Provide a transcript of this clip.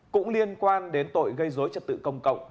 cũng liên quan đến tội gây dối trật tự công cộng